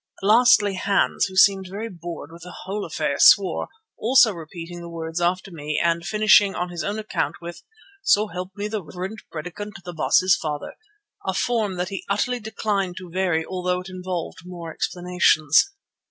Lastly Hans, who seemed very bored with the whole affair, swore, also repeating the words after me and finishing on his own account with "so help me the reverend Predikant, the Baas's father," a form that he utterly declined to vary although it involved more explanations.